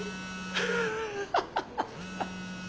ハハハハ。